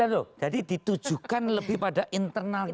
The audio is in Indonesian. tunggu jadi ditujukan lebih pada internal kita ya